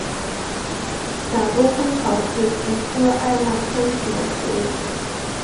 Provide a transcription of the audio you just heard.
假东风草是菊科艾纳香属的植物。